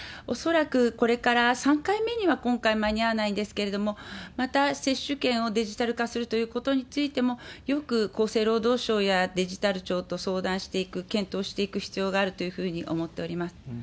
恐らくこれから３回目には今回間に合わないんですけれども、また接種券をデジタル化するということについても、よく厚生労働省やデジタル庁と相談していく、検討していく必要があるというふうに思っております。